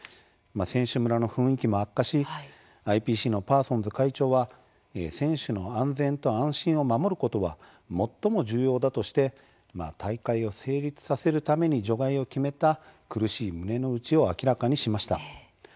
選手村の雰囲気も悪化しＩＰＣのパーソンズ会長は「選手の安全と安心を守ることは最も重要」だとして大会を成立させるために除外を決めた苦しい胸の内を明らかにしました。